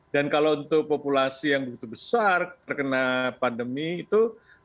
dan kalau untuk populasi yang begitu besar terkena pandemi itu